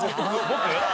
僕？